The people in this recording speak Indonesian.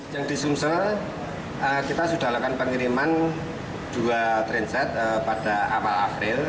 yang di sumsel kita sudah lakukan pengiriman dua trainset pada awal april